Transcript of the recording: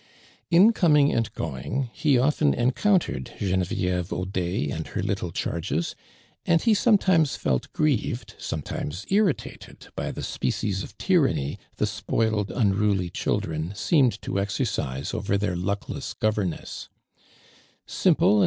In coming and going he often encountered (ienevi«ve Audet and her little charges, and he sometimes felt grieved, sometimes irritated by th* species of tyranny the spoiled, unruly children seemed to exercise over their lucklesb governess, hiimple and